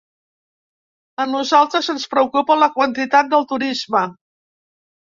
A nosaltres ens preocupa la quantitat del turisme.